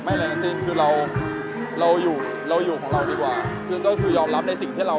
ตอนนี้ก็ยังไม่ได้เลยครับตอนนี้ก็ยังไม่ได้เลยครับตอนนี้ก็ยังไม่ได้เลยครับ